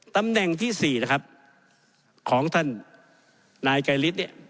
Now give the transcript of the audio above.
ตำแหน่งที่๔นะครับของท่านนายไกรฤทธิเนี่ย